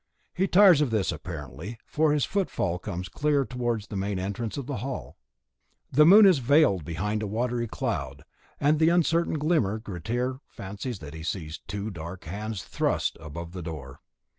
He tires of this apparently, for his footfall comes clear towards the main entrance to the hall. The moon is veiled behind a watery cloud, and by the uncertain glimmer Grettir fancies that he sees two dark hands thrust in above the door.